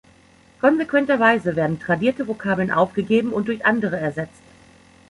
Konsequenterweise werden tradierte Vokabeln aufgegeben und durch andere ersetzt.